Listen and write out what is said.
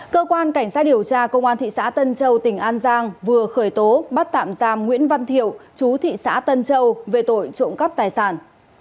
cơ quan cảnh sát điều tra công an thị xã tân châu tỉnh an giang vừa khởi tố bắt tạm giam nguyễn văn thiệu chú thị xã tân châu về tội trộm cắp tài sản